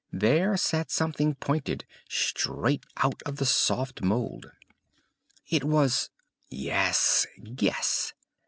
There sat something pointed, straight out of the soft mould. It was yes, guess!